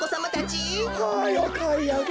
はいおかいあげ。